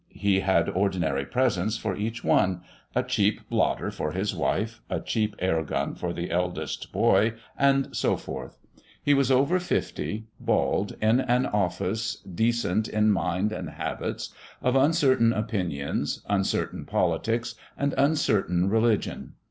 He had ordinary presents for each one, a cheap blotter for his wife, a cheap air gun for the eldest boy, and so forth. He was over fifty, bald, in an office, decent in mind and habits, of uncertain opinions, uncertain politics, and uncertain religion.